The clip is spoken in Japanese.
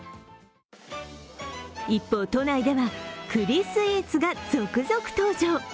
一方、都内では栗スイーツが続々登場。